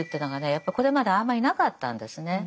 やっぱりこれまであまりなかったんですね。